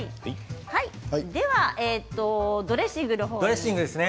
ではドレッシングのほうです。